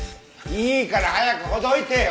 いいから早くほどいてよ。